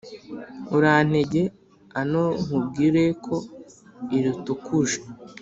Urantege ano nkubwire ko iritukuje